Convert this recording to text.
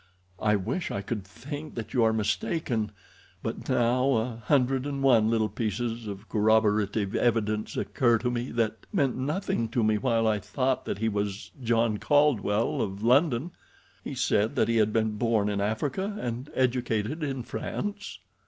"I wish I could think that you are mistaken, but now a hundred and one little pieces of corroborative evidence occur to me that meant nothing to me while I thought that he was John Caldwell, of London. He said that he had been born in Africa, and educated in France."